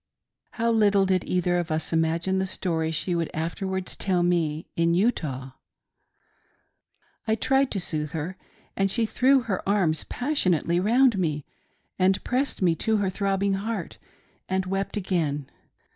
How little did we either of us imagine the story she would afterwards tell me in Utah ! I tried to soothe her, and she threw her arms passionately round me, and pressed me to her throbbing heart, and wept" again.